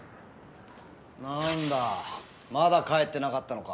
何だまだ帰ってなかったのか。